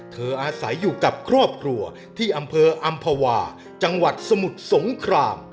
อาศัยอยู่กับครอบครัวที่อำเภออำภาวาจังหวัดสมุทรสงคราม